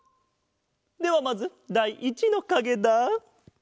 ではまずだい１のかげだ。